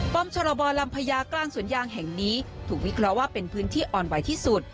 ชรบรลำพญากลางสวนยางแห่งนี้ถูกวิเคราะห์ว่าเป็นพื้นที่อ่อนไหวที่สุด